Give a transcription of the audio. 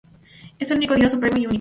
Él es el único Dios, supremo y único.